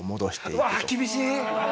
うわっ厳しい！